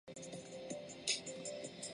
缘毛紫菀为菊科紫菀属的植物。